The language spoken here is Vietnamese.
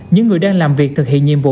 những người đang làm việc thực hiện nhiệm vụ